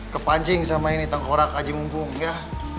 kepancing sama ini tengkorak aji mumpung ya